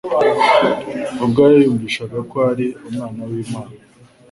ubwo yayumvishaga ko ari Umwana w'Imana.